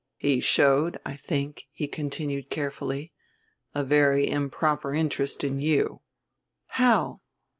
"He showed, I think," he continued carefully, "a very improper interest in you." "How?"